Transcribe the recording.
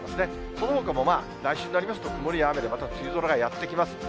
そのほかもまあ、来週になりますと、曇りや雨でまた梅雨空がやって来ます。